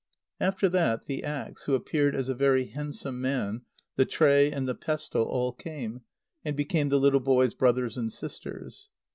After that, the axe (who appeared as a very handsome man), the tray, and the pestle all came, and became the little boy's brothers and sisters.